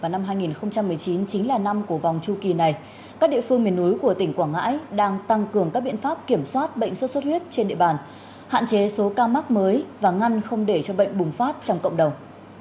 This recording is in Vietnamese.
năm hai nghìn một mươi chín chính là năm của vòng tru kỳ này các địa phương miền núi của tỉnh quảng ngãi đang tăng cường các biện pháp kiểm soát bệnh sốt xuất huyết trên địa bàn hạn chế số ca mắc mới và ngăn không để cho bệnh bùng phát trong cộng đồng